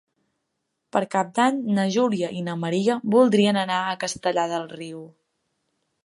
Per Cap d'Any na Júlia i na Maria voldrien anar a Castellar del Riu.